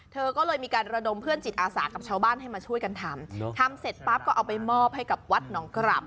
เธอก็เลยมีการระดมเพื่อนจิตอาสากับชาวบ้านให้มาช่วยกันทำทำเสร็จปั๊บก็เอาไปมอบให้กับวัดหนองกราบ